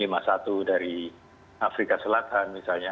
b satu tiga lima satu dari afrika selatan misalnya